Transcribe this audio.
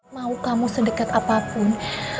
mau kamu sedekat apapun